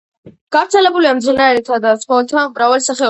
გავრცელებულია მცენარეთა და ცხოველთა მრავალი სახეობა.